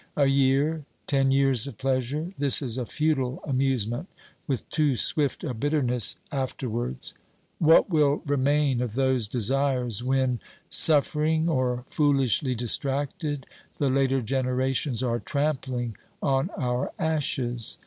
A year, ten years of pleasure — this is a futile amusement with too swift a bitterness after 390 OBERMANN wards ! What will remain of those desires when, suffering or foolishly distracted, the later generations are trampling on our ashes